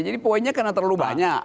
poinnya karena terlalu banyak